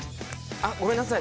あっごめんなさい。